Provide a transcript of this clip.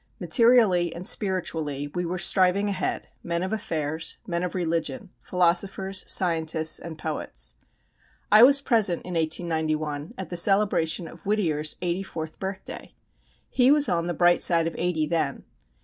Materially and spiritually we were striving ahead, men of affairs, men of religion, philosophers, scientists, and poets. I was present in 1891 at the celebration of Whittier's eighty fourth birthday. He was on the bright side of eighty then.